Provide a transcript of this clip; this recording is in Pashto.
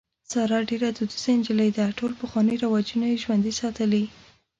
ساره ډېره دودیزه نجلۍ ده. ټول پخواني رواجونه یې ژوندي ساتلي.